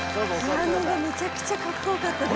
ピアノがめちゃくちゃかっこよかったです。